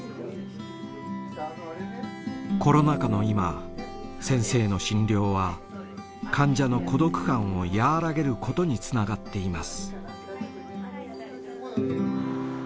コロナ禍の今先生の診療は患者の孤独感を和らげることにつながっています。